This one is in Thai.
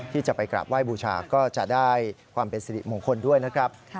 ที่จะไปกราบไหว้บูชาก็จะได้ความเป็นสิริมงคลด้วยนะครับ